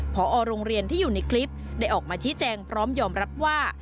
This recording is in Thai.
พอโรงเรียนที่อยู่ในคลิปได้ออกมาชี้แจงพร้อมยอมรับว่า